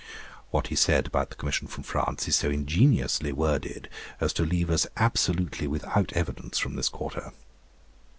What he said about the commission from France is so ingeniously worded, as to leave us absolutely without evidence from this quarter.